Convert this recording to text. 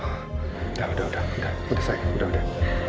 udah udah udah udah sayang udah udah